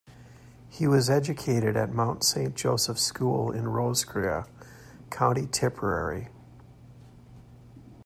He was educated at Mount Saint Joseph's school in Roscrea, County Tipperary.